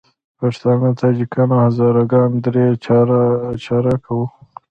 پښتانه، تاجکان او هزاره ګان درې چارکه وو.